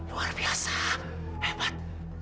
luar biasa hebat